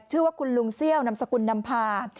ชื่อว่าคุณลุงเซี่ยวนำสกุลนำพา